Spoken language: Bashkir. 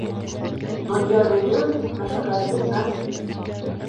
Донъя бөтөр, мәшәҡәт бөтмәҫ.